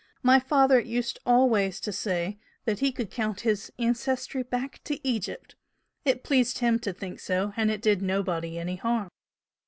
My father used always to say that he could count his ancestry back to Egypt! it pleased him to think so and it did nobody any harm!"